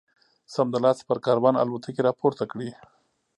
سمدلاسه پر کاروان الوتکې را پورته کړي.